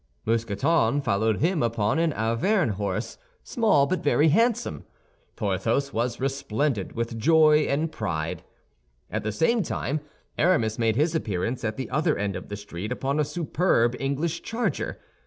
Mousqueton followed him upon an Auvergne horse, small but very handsome. Porthos was resplendent with joy and pride. At the same time, Aramis made his appearance at the other end of the street upon a superb English charger.